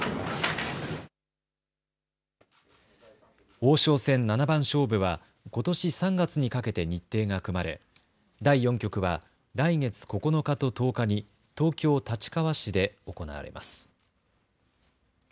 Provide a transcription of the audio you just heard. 王将戦七番勝負はことし３月にかけて日程が組まれ第４局は来月９日と１０日に東京立川市で行われます。